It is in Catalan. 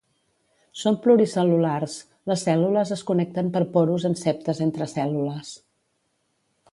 Són pluricel·lulars, les cèl·lules es connecten per porus en septes entre cèl·lules.